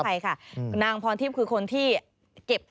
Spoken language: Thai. ใช่ค่ะนางพรทิพย์คือคนที่เก็บ